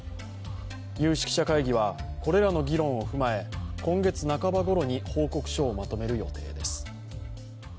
有識者会議は、これらの議論を踏まえ今月中ばごろに報告書をまとめる予定です。